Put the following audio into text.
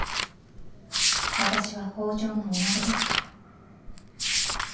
私は北条の女子ですから。